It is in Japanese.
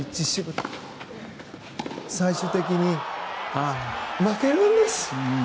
最終的に、負けるんです。